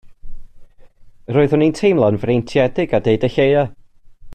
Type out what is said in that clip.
Roeddwn i'n teimlo'n freintiedig a deud y lleia.